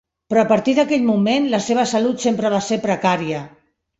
Però a partir d'aquell moment, la seva salut sempre va ser precària.